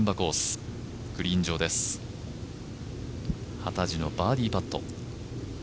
幡地のバーディーパット。